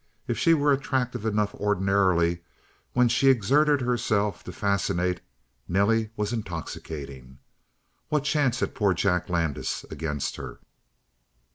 If she were attractive enough ordinarily, when she exerted herself to fascinate, Nelly was intoxicating. What chance had poor Jack Landis against her?